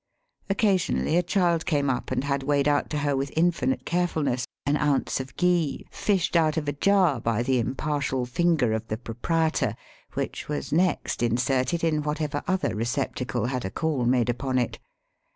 Occasionally a child came up and had weighed out to her with infinite carefulness an ounce of ghee, fished out of a jar by the impartial finger of the proprietor, which was next in serted in whatever other receptacle had a call made upon it.